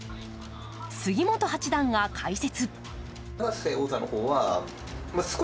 杉本八段が解説。